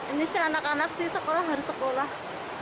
ini sih anak anak sih sekolah harus sekolah